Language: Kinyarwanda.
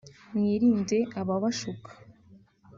mwirinde ababashuka